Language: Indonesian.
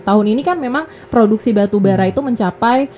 tahun ini kan memang produksi batubara itu mencapai